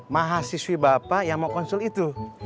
mahasiswi bapak yang mau konsul itu